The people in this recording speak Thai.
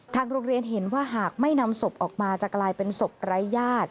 โรงเรียนเห็นว่าหากไม่นำศพออกมาจะกลายเป็นศพไร้ญาติ